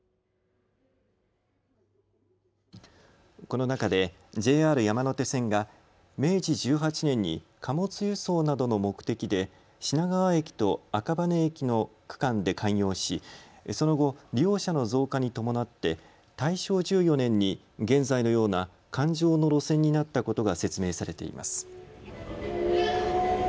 この中でＪＲ山手線が明治１８年に貨物輸送などの目的で品川駅と赤羽駅の区間で開業しその後、利用者の増加に伴って大正１４年に現在のような環状の路線になったことが説明されています。